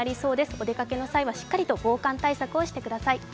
お出掛けの際はしっかりと防寒対策をしてください。